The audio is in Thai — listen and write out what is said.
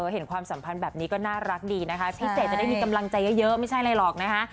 ความสัมพันธ์แบบนี้ก็น่ารักดีนะคะพิเศษจะได้มีกำลังใจเยอะไม่ใช่อะไรหรอกนะคะ